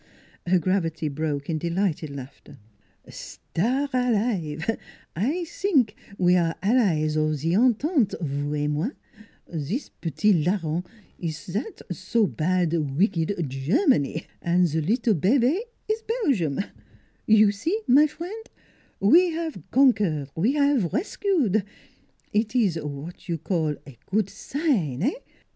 " Her gravity broke in delighted laughter. " Star alive ! I have sink we are allies of ze entente: vous et moi zis petit larron ees zat so bad, weecked Germany an' ze leettle bebe ees Belgium. You see, my frien' ? We have conquer we have rescue. Eet ees what you call good sign eh?